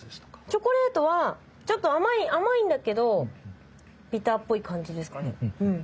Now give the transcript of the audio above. チョコレートはちょっと甘いんだけどビターっぽい感じですかね。